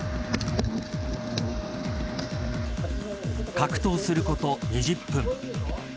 格闘すること２０分。